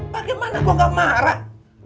bagaimana gue gak marah